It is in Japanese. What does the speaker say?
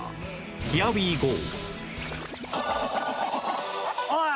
ヒアウィーゴー